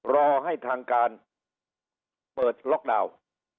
รอให้ทางการเปิดล็อกดาวน์